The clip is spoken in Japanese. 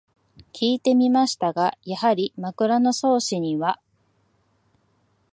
きいてみましたが、やはり「枕草子」には